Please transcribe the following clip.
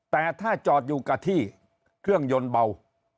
แต่ถ้าจอดอยู่กับที่เครื่องยนต์เบา